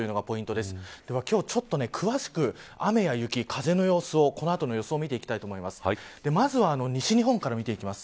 では、今日ちょっと詳しく雨や雪、風の様子をこの後の予想を見ていきます。